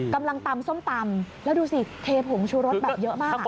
กำลังตำส้มตำแล้วดูสิเทผงชูรสแบบเยอะมาก